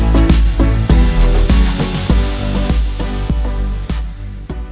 โปรดติดตามตอนต่อไป